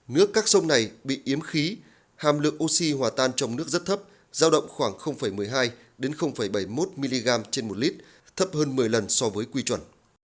nước các sông này bị yếm khí hàm lượng oxy hòa tan trong nước rất thấp giao động khoảng một mươi hai bảy mươi một mg trên một lít thấp hơn một mươi lần so với quy chuẩn